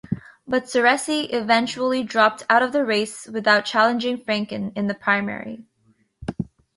But Ciresi eventually dropped out of the race without challenging Franken in the primary.